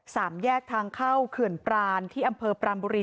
สามแยกทางเข้าเขื่อนปรานที่อำเภอปรานบุรี